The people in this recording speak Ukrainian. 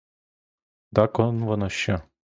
Дак он воно що!